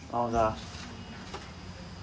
อ๋อเหรอ